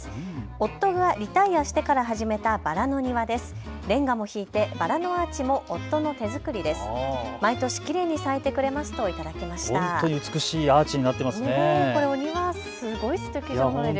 夫がリタイアしてから始めたバラの庭です。